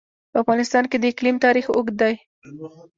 په افغانستان کې د اقلیم تاریخ اوږد دی.